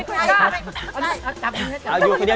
คุณลูกมีขา